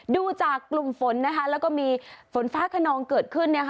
ดูจากกลุ่มฝนแล้วก็มีฝนฟ้าขนองเกิดขึ้น